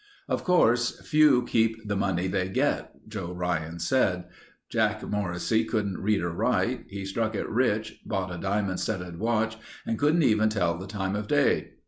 "Of course, few keep the money they get," Joe Ryan said. "Jack Morissey couldn't read or write. He struck it rich. Bought a diamond studded watch and couldn't even tell the time of day.